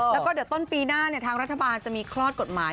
แล้วก็เดี๋ยวต้นปีหน้าทางรัฐบาลจะมีคลอดกฎหมาย